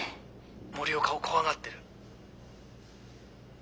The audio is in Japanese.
森岡を怖がってる。